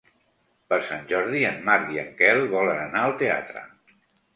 Per Sant Jordi en Marc i en Quel volen anar al teatre.